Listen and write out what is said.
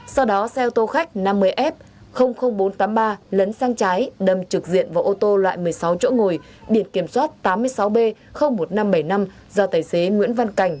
sau đó xe ô tô khách năm mươi f bốn trăm tám mươi ba lấn sang trái đâm trực diện vào ô tô loại một mươi sáu chỗ ngồi biển kiểm soát tám mươi sáu b một nghìn năm trăm bảy mươi năm do tài xế nguyễn văn cảnh